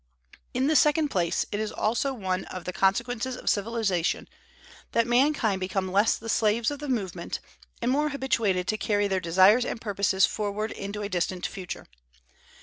(2.) In the second place, it is also one of the consequences of civilization that mankind become less the slaves of the moment, and more habituated to carry their desires and purposes forward into a distant future.